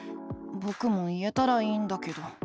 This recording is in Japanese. ぼくも言えたらいいんだけど。